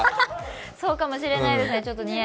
そうかもしれないです。